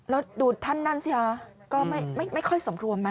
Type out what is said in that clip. แล้วดูท่านนั่นสิฮะก็ไม่ค่อยสำรวมนะ